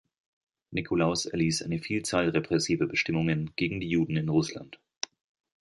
Nikolaus erließ eine Vielzahl repressiver Bestimmungen gegen die Juden in Russland.